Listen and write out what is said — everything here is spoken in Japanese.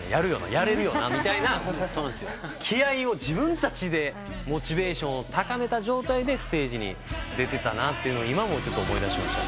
「やれるよな」みたいな気合を自分たちでモチベーションを高めた状態でステージに出てたなと今思い出しました。